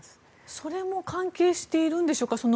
それも関係しているんでしょうか。